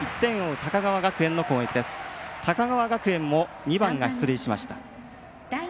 高川学園も２番が出塁しました。